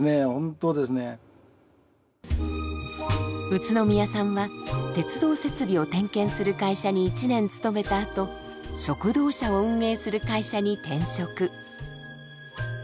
宇都宮さんは鉄道設備を点検する会社に１年勤めたあと食堂車を運営する会社に転職。